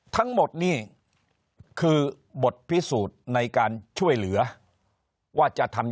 ทั้งหมดนี่คือบทพิสูจน์ในการช่วยเหลือว่าจะทำ